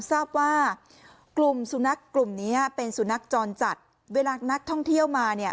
ทราบว่ากลุ่มสุนัขกลุ่มนี้เป็นสุนัขจรจัดเวลานักท่องเที่ยวมาเนี่ย